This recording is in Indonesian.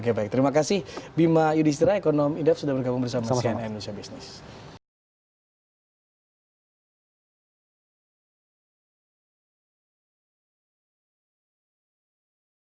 oke baik terima kasih bima yudhistira ekonom indef sudah bergabung bersama cnn indonesia business